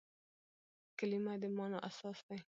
کلیمه د مانا اساس دئ.